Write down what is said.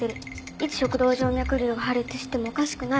いつ食道静脈瘤が破裂してもおかしくないよ。